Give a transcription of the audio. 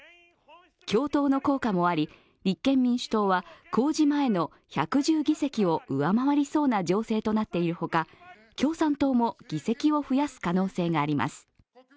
共闘の効果もあり、立憲民主党は公示前の１１０議席を上回りそうな情勢となっているほか、共産党も議席を増やす可能性があります。